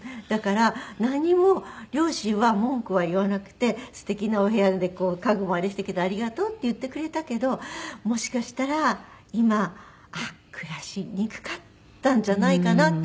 だから何も両親は文句は言わなくて素敵なお部屋で家具も素敵だありがとうって言ってくれたけどもしかしたら今あっ暮らしにくかったんじゃないかな？